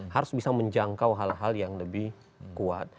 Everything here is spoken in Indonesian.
harus bisa menjangkau hal hal yang lebih kuat